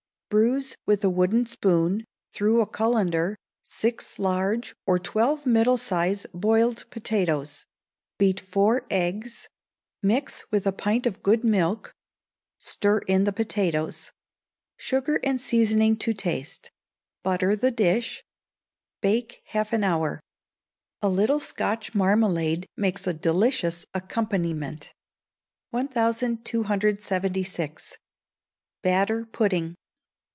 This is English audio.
Bruise with a wooden spoon, through a cullender, six large or twelve middle sized boiled potatoes; beat four eggs, mix with a pint of good milk, stir in the potatoes; sugar and seasoning to taste; butter the dish; bake half an hour. A little Scotch marmalade makes a delicious accompaniment. 1276. Batter Pudding.